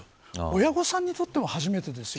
親御さんにとっても初めてです。